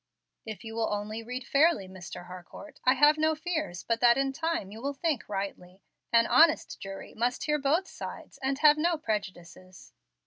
"If you will only read fairly, Mr. Harcourt, I have no fears but that in time you will think rightly. An honest jury must hear both sides and have no prejudices."